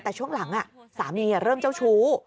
แต่ช่วงหลังสามีเริ่มเจ้าชู้